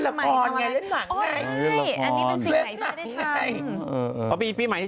เล่นละครไงเล่นหนังไง